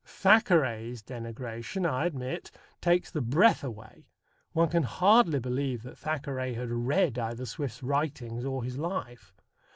Thackeray's denigration, I admit, takes the breath away. One can hardly believe that Thackeray had read either Swift's writings or his life.